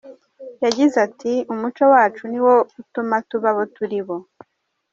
Yagize ati “Umuco wacu ni wo utuma tuba abo turi bo.